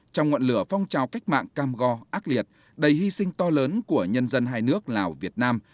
trong ngọn lửa phong trào cách mạng cam go ác liệt đầy hy sinh to lớn của nhân dân hai nước lào việt nam